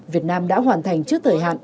việt nam đã hoàn thành trước thời hạn